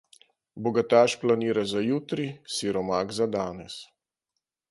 Bogataš planira za jutri, siromak za danes.